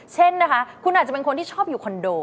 เช่นนะคะคุณอาจจะเป็นคนที่ชอบอยู่คอนโด